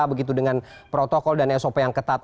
begitu dengan protokol dan sop yang ketat